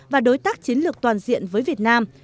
và đối tác chiến lược toàn diện với việt nam